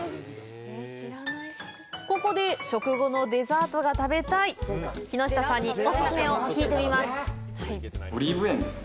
ここで食後のデザートが食べたい木下さんにオススメを聞いてみます